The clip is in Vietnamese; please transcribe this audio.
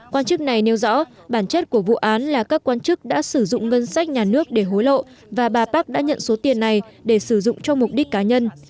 quan chức này nêu rõ bản chất của vụ án là các quan chức đã sử dụng ngân sách nhà nước để hối lộ và bà park đã nhận số tiền này để sử dụng cho mục đích cá nhân